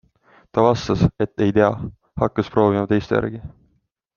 Ta vastas, et ei tea, hakkas proovima teiste järgi.